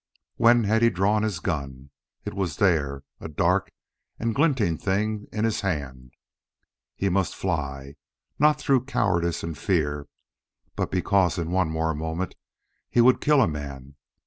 When had he drawn his gun? It was there, a dark and glinting thing in his hand. He must fly not through cowardice and fear, but because in one more moment he would kill a man.